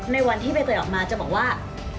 ในวันที่ใบเตยออกมาจะบอกว่า